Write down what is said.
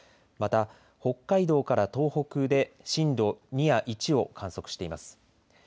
また北海道から東北で震度２や１を観測しています。